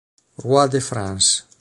Roy de France".